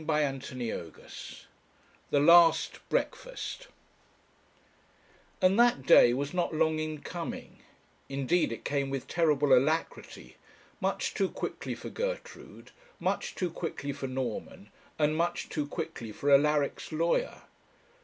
CHAPTER XXXIX THE LAST BREAKFAST And that day was not long in coming; indeed, it came with terrible alacrity; much too quickly for Gertrude, much too quickly for Norman; and much too quickly for Alaric's lawyer.